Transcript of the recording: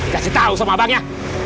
kasih tau sama abang ya